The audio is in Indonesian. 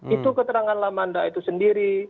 itu keterangan lamanda itu sendiri